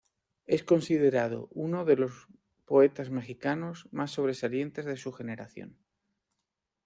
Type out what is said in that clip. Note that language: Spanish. Es considerado uno de los poetas mexicanos más sobresalientes de su generación.